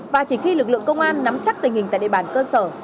và chỉ khi lực lượng công an nắm chắc tình hình tại địa bàn cơ sở